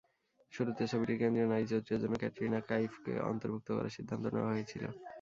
শুরুতে ছবিটির কেন্দ্রীয় নারী চরিত্রের জন্য ক্যাটরিনা কাইফকে অন্তর্ভুক্ত করার সিদ্ধান্ত নেওয়া হয়েছিল।